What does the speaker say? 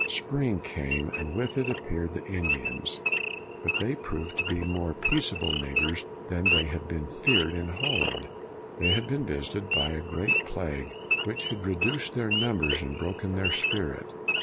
Spring came, and with it appeared the Indians. But they proved to be more peaceable neighbors than had been feared in Holland. They had been visited by a great plague which had reduced their numbers and broken their spirit.